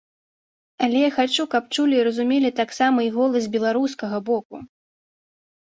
Але я хачу, каб чулі і разумелі таксама і голас беларускага боку.